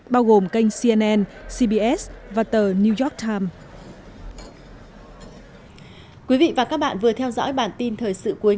bao gồm kênh cnn cbs và tờ new york times